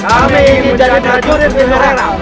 kami ingin menjadi prajurit general